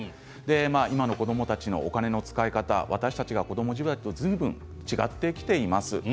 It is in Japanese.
今の子どもたちのお金の使い方私たちの子ども時代とはずいぶん違ってきています。